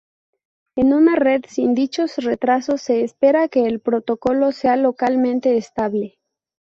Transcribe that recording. En una red sin dichos retrasos se espera que el protocolo sea localmente estable.